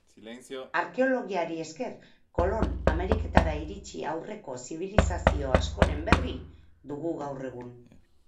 Arkeologiari esker Kolon Ameriketara iritsi aurreko zibilizazio askoren berri dugu gaur egun.